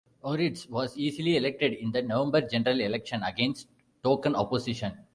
Ortiz was easily elected in the November general election against token opposition.